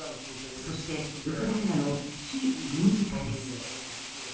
そしてウクライナの非軍事化です。